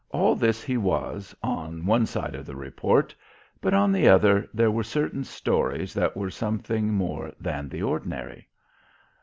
All this he was on one side of the report, but, on the other, there were certain stories that were something more than the ordinary.